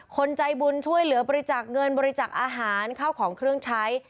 คนใจบุญช่วยเหลือบริจาคเงินบริจาคอาหารข้าวของเครื่องใช้